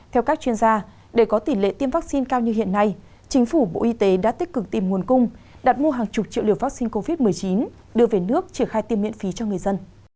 theo các chuyên gia để có tỷ lệ tiêm vaccine cao như hiện nay chính phủ bộ y tế đã tích cực tìm nguồn cung đặt mua hàng chục triệu liều vaccine covid một mươi chín đưa về nước triển khai tiêm miễn phí cho người dân